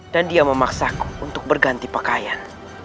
dia memaksaku untuk berganti pakaian